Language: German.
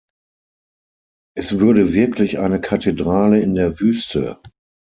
Es würde wirklich eine Kathedrale in der Wüste!